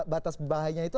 batas bahayanya itu